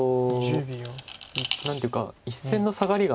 何ていうか１線のサガリが。